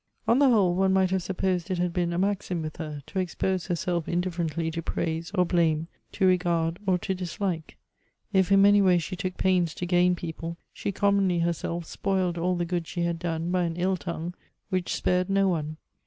On the whole, one might have supposed it had been a maxim with her to expose herself indifferently to praise or blame, to regard or to dislike. If in many ways she took pains to gain people, she commonly herself spoiled all the good she had done by an ill tongue, which spared no one.